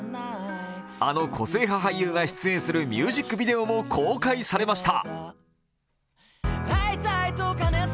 あの個性派俳優が出演するミュージックビデオも公開されました。